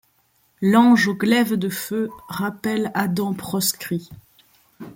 L’ange au glaive de feu rappelle Adam proscrit ;